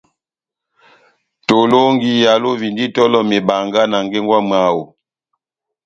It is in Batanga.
Tolɔngi alovindi itɔlɔ mebanga na ngengo ya mwáho.